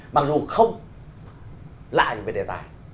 mặc dù không lạ như về đề tài